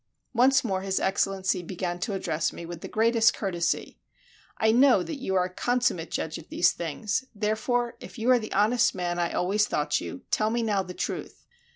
Once more his Excellency began to address me with the greatest courtesy: "I know that you are a consummate judge of these things; therefore, if you are the honest man I always thought you, tell me now the truth."